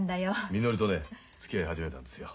みのりとねつきあい始めたんですよ。